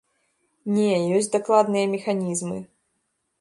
Не, ёсць дакладныя механізмы.